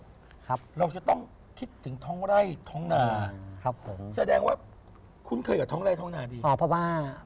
เราจะต้องคิดถึงท้องไร่ท้องนา